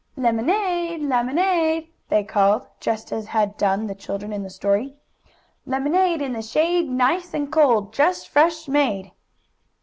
"Lemonade! Lemonade!" they called, just as had done the children in the story. "Lemonade, in the shade, nice and cold, just fresh made!"